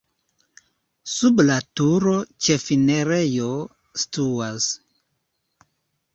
Sub la turo ĉefenirejo situas.